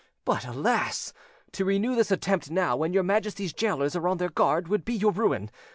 But, alas! to renew this attempt now, when your Majesty's gaolers are on their guard, would be your ruin.